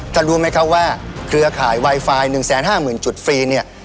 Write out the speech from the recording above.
รู้ไหมครับว่าเครือข่ายไวไฟ๑๕๐๐๐จุดฟรีเนี่ย